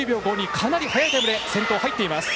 かなり速いタイムで先頭入っています。